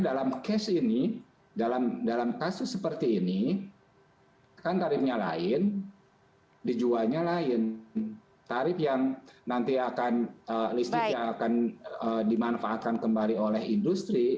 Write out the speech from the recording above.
dalam cash ini dalam kasus seperti ini kan tarifnya lain dijualnya lain tarif yang nanti akan listriknya akan dimanfaatkan kembali oleh industri